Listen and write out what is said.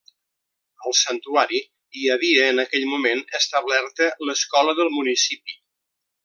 Al santuari hi havia, en aquell moment, establerta l'escola del municipi.